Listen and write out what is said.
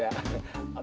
iya bencana juga